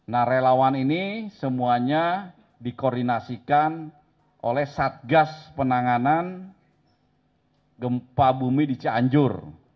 nah relawan ini semuanya dikoordinasikan oleh satgas penanganan gempa bumi di cianjur